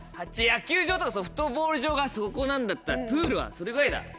野球場とかソフトボール場がそこなんだったらプールはそれぐらいだ。